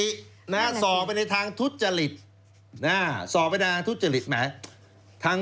ร่ำรวยผิดปกติหนสอบไปทางทุจจริต